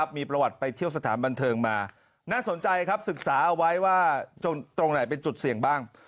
มีประวัติไปเที่ยวสถานบันเทิงมาน่าสนใจครับศึกษาเอาไว้ว่าตรงไหนเป็นจุดเสี่ยงบ้าง